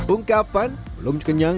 ungkapan belum kenyang